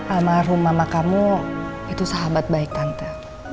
almarhum mama kamu itu sahabat baik tante